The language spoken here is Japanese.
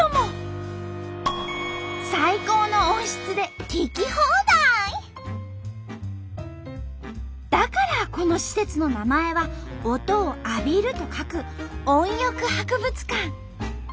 最高の音質でだからこの施設の名前は「音を浴びる」と書く「音浴博物館」。